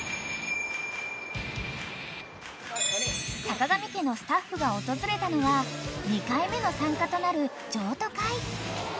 ［坂上家のスタッフが訪れたのは２回目の参加となる譲渡会］